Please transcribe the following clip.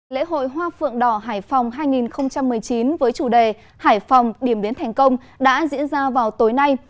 lễ hội hoa phượng đỏ hải phòng hai nghìn một mươi chín với chủ đề hải phòng điểm đến thành công đã diễn ra vào tối nay